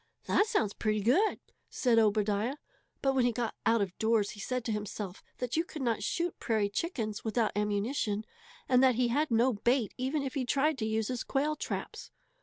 "That sounds pretty good," said Obadiah; but when he got out of doors he said to himself that you could not shoot prairie chickens without ammunition, and that he had no bait even if he tried to use his quail traps.